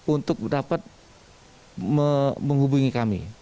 untuk dapat menghubungi kami